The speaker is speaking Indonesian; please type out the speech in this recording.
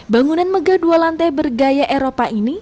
bangunan megah dua lantai bergaya eropa ini